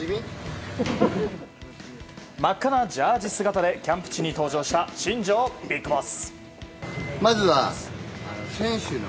真っ赤なジャージー姿でキャンプ地に到着した新庄ビッグボス。